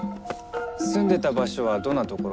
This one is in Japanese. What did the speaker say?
住んでた場所はどんなところ？